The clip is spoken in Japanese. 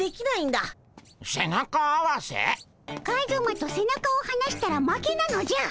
カズマと背中をはなしたら負けなのじゃ。